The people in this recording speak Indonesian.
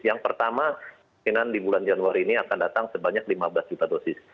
yang pertama mungkinan di bulan januari ini akan datang sebanyak lima belas juta dosis